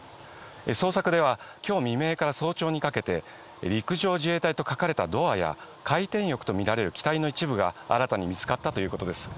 捜索では今日未明から早朝にかけて「陸上自衛隊」と書かれたドアや、回転翼とみられる機体の一部が新たに見つかったということです。